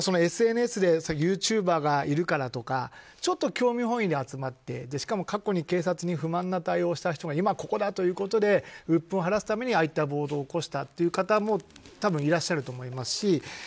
ＳＮＳでユーチューバーがいるからとかちょっと興味本位で集まってしかも過去に警察に不満な対応をされた人が今、ここだということでうっぷんを晴らすためにああいった暴動を起こした方も多分いらっしゃると思いますし。